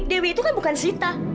dewi itu kan bukan sita